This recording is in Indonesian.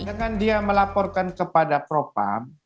dengan dia melaporkan kepada propam